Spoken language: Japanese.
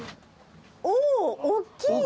おぉおっきい。